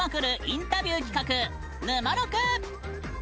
インタビュー企画「ぬまろく」！